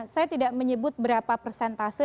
saya tidak menyebut berapa persentase